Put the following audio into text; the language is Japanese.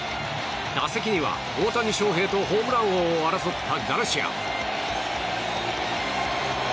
打席には、大谷翔平とホームラン王を争ったガルシア。